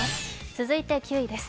続いて９位です。